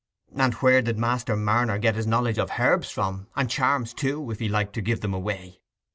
And where did Master Marner get his knowledge of herbs from—and charms too, if he liked to give them away?